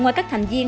ngoài các thành viên